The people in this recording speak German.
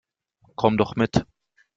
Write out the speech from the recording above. Komm doch mit!